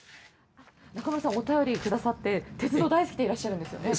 中村さん、お便りくださって鉄道大好きでいらっしゃるんですよね。